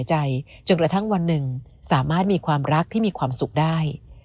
จนกระทั่งวันหนึ่งสามารถมีความรักที่มีความสุขได้